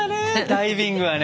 ダイビングはね。